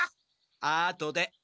あとで。